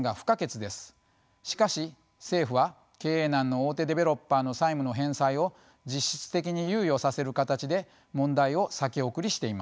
しかし政府は経営難の大手デベロッパーの債務の返済を実質的に猶予させる形で問題を先送りしています。